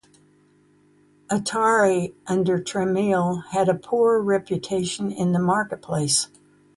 Atari under Tramiel had a poor reputation in the marketplace.